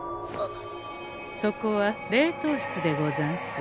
そこは冷凍室でござんす。